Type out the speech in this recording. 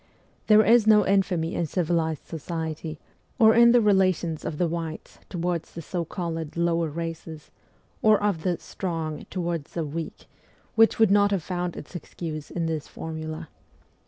There is no infamy in civilized society, or in the relations of the whites towards the so called lower races, or of the ' strong ' towards the ' weak,' which would not have found its excuse in this formula.